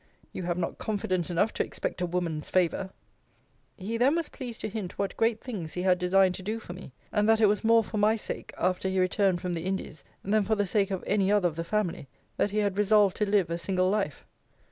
You have not confidence enough to expect a woman's favour. He then was pleased to hint what great things he had designed to do for me; and that it was more for my sake, after he returned from the Indies, than for the sake of any other of the family, that he had resolved to live a single life.